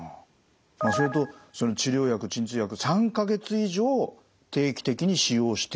それと治療薬鎮痛薬３か月以上定期的に使用しているという。